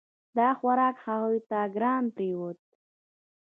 دا خوراک هغوی ته ګران پریوت.